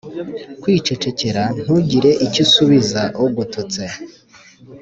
kw icecekera nrugire icyo usubiza ugururse